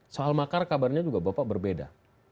soal makar kabarnya juga bapak berbeda